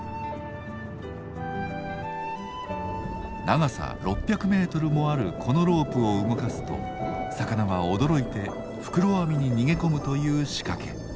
長さ６００ｍもあるこのロープを動かすと魚は驚いて袋網に逃げ込むという仕掛け。